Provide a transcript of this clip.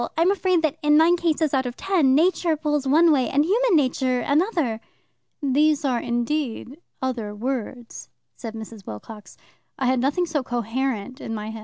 I'm afraid that in nine cases out of ten Nature pulls one way and human nature another." "These are indeed 'other words,'" said Mrs. Wilcox." I had nothing so coherent in my head.